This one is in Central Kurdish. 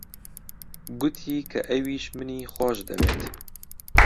گوتی کە ئەویش منی خۆش دەوێت.